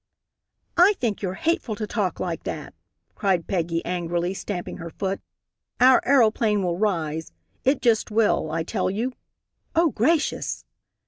"I think you're hateful to talk like that," cried Peggy, angrily, stamping her foot. "Our aeroplane will rise. It just will, I tell you oh, gracious!"